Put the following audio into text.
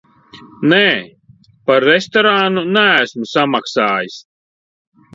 Nē, par restorānu neesmu samaksājis.